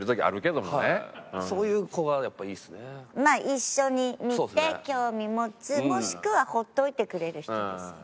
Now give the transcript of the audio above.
一緒に見て興味持つもしくは放っておいてくれる人ですよね。